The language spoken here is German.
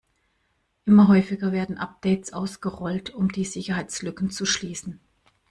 Immer häufiger werden Updates ausgerollt, um die Sicherheitslücken zu schließen.